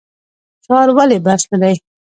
شعار ولې بس نه دی؟